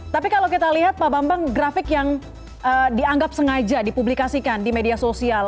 tapi kalau kita lihat pak bambang grafik yang dianggap sengaja dipublikasikan di media sosial